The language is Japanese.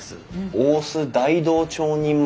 大須大道町人祭？